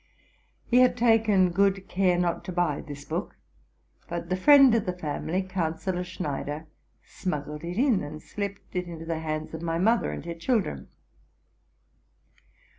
He had taken good care not to buy this book; but the friend of the family, Councillor Schnei der, smuggled it in, and slipped it into the hands of my mother and her children.